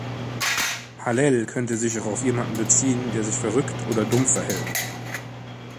„Hallel“ könnte sich auch auf jemanden beziehen, der sich verrückt oder dumm verhält.